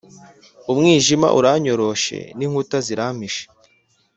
Umwijima uranyoroshe, n’inkuta zirampishe,